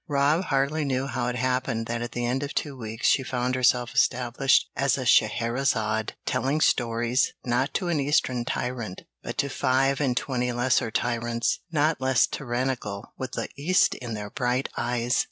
Rob hardly knew how it happened that at the end of two weeks she found herself established as a Scheherazade, telling stories, not to an Eastern tyrant, but to five and twenty lesser tyrants not less tyrannical with the east in their bright eyes.